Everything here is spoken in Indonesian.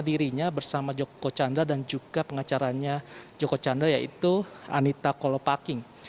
dirinya bersama joko chandra dan juga pengacaranya joko chandra yaitu anita kolopaking